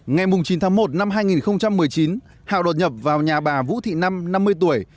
ngày chín tháng một năm hai nghìn một mươi chín hảo đột nhập vào nhà bà vũ thị năm năm mươi tuổi